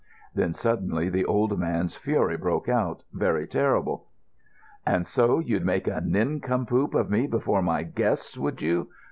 Then suddenly the old man's fury broke out—very terrible. "And so you'd make a nincompoop of me before my guests, would you?